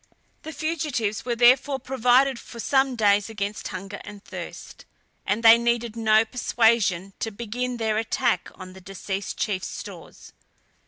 The fugitives were therefore provided for some days against hunger and thirst, and they needed no persuasion to begin their attack on the deceased chief's stores.